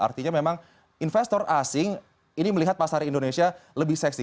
artinya memang investor asing ini melihat pasar indonesia lebih seksi